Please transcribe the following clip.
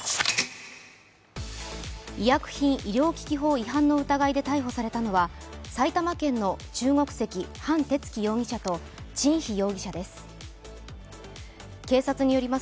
医薬品医療機器法違反の疑いで逮捕されたのは埼玉県の中国籍、ハン・テツキ容疑者とチン・ヒ容疑者です。